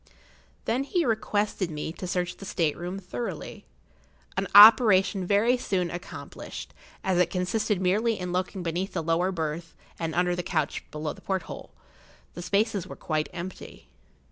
Then he requested me to search the state room thoroughly, an operation very soon accomplished, as it consisted merely in looking beneath the lower berth and under the couch below the porthole. The spaces were quite empty.